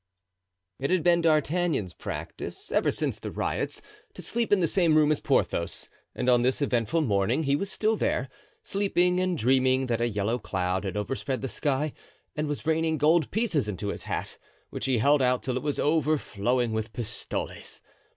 It had been D'Artagnan's practice, ever since the riots, to sleep in the same room as Porthos, and on this eventful morning he was still there, sleeping, and dreaming that a yellow cloud had overspread the sky and was raining gold pieces into his hat, which he held out till it was overflowing with pistoles.